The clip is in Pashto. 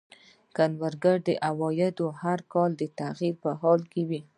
د کروندګرو عواید هم هر کال د تغییر په حال کې وو.